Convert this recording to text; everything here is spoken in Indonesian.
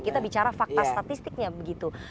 kita bicara fakta statistiknya begitu